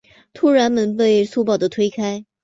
突然门被粗暴的推开